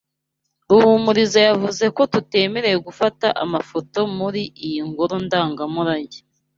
Ruhumuriza yavuze ko tutemerewe gufata amafoto muri iyi ngoro ndangamurage.